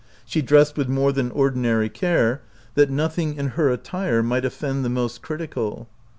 She dressed with more than ordinary care, that nothing in her attire might offend the most critical.